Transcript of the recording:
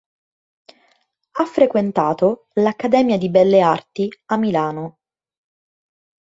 Ha frequentato l’Accademia di Belle Arti a Milano.